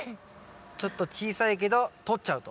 ちょっと小さいけどとっちゃうと。